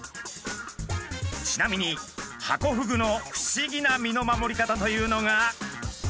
ちなみにハコフグの不思議な身の守り方というのが。